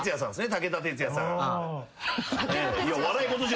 武田鉄矢さんを。